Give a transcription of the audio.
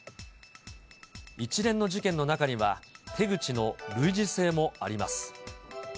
一連の事件の中には、手口の類似性もあります。